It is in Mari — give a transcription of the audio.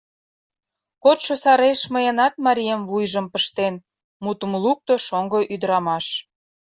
— Кодшо сареш мыйынат марием вуйжым пыштен, — мутым лукто шоҥго ӱдырамаш.